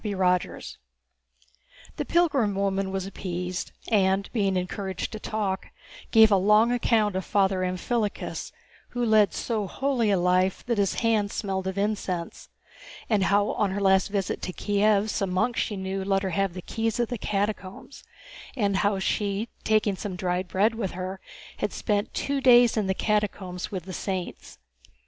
CHAPTER XIV The pilgrim woman was appeased and, being encouraged to talk, gave a long account of Father Amphilochus, who led so holy a life that his hands smelled of incense, and how on her last visit to Kiev some monks she knew let her have the keys of the catacombs, and how she, taking some dried bread with her, had spent two days in the catacombs with the saints.